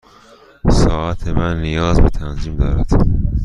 ساعت من نیاز به تنظیم دارد.